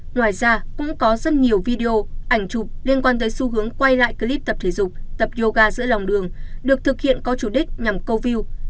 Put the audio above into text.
ngoài ra cũng có rất nhiều video ảnh chụp liên quan tới xu hướng quay lại clip tập thể dục tập yoga giữa lòng đường được thực hiện có chủ đích nhằm câu view